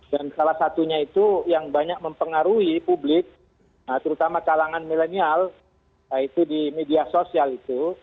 dan salah satunya itu yang banyak mempengaruhi publik terutama kalangan milenial yaitu di media sosial itu